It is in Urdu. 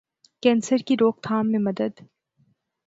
کینسرکی روک تھام میں مدد